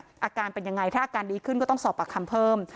อาการเป็นยังไงถ้าอาการดีขึ้นก็ต้องสอบปากคำเพิ่ม